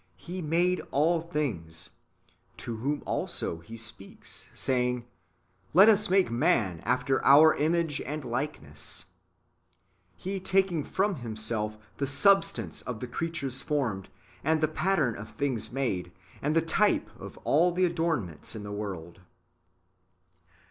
He made all things, to whom also He speaks, saying, " Let us make man after our image and likeness;"^ He taking from Himself the substance of the creatures [formed], and the pattern of things made, and the type of all the adornments in the world.